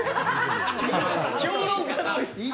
評論家なん？